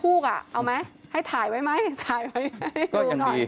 ลูกอ่ะเอาไหมให้ถ่ายไว้ไหมถ่ายไว้ให้ดูหน่อย